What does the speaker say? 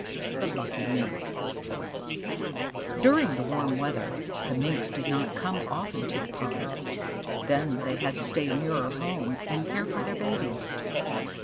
THE LUCKY MINK During the warm weather, the Minks did not come often to the pond. Then they had to stay nearer home and care for their babies.